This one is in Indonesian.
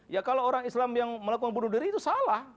ya kalau orang islam yang melakukan bunuh diri itu salah